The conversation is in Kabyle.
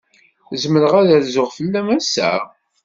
Zemreɣ ad n-rzuɣ fell-am ass-a?